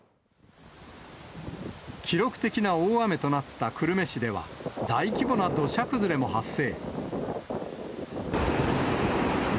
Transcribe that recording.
記録的な大雨となった久留米市では、大規模な土砂崩れも発生。